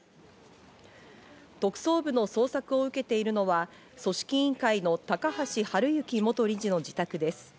特捜部の捜索を受けているのは、組織委員会の高橋治之元理事の自宅です。